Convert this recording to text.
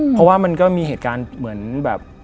เพราะว่ามันก็มีเหตุการณ์เหมือนแบบ